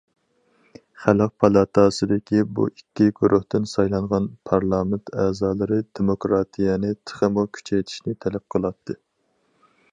خەلق پالاتاسىدىكى بۇ ئىككى گۇرۇھتىن سايلانغان پارلامېنت ئەزالىرى دېموكراتىيەنى تېخىمۇ كۈچەيتىشنى تەلەپ قىلاتتى.